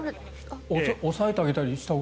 押さえてあげたりしたほうが。